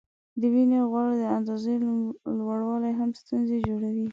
د وینې غوړو د اندازې لوړوالی هم ستونزې جوړوي.